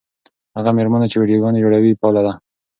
هغه مېرمنه چې ویډیوګانې جوړوي فعاله ده.